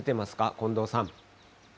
近藤さん。